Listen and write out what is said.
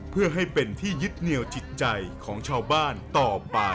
เพื่อให้เป็นที่ยึดเหนียวจิตใจของชาวบ้านต่อป่า